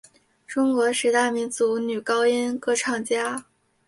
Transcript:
中国十大民族女高音歌唱家。